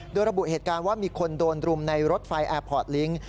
โดยระบุเหตุการณ์ว่ามีคนโดนรุมในรถไฟแอร์พอร์ตลิงค์